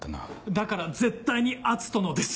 だから絶対に篤斗のです！